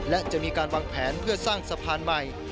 และจะมีการวางแผนเพื่อสร้างสะพานใหม่